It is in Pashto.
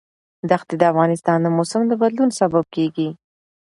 دښتې د افغانستان د موسم د بدلون سبب کېږي.